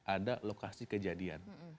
ada lokasi kejadian